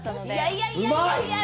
いやいやいや。